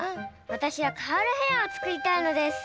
わたしはカールヘアをつくりたいのです。